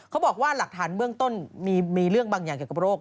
เขาบอกว่าหลักฐานเบื้องต้นมีเรื่องบางอย่างเกี่ยวกับโรค